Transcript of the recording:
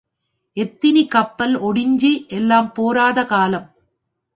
எத்தினி கப்பல் ஓடிச்சி எல்லாம் போராத காலம்.